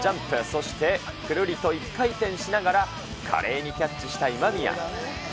そしてくるりと１回転しながら華麗にキャッチした今宮。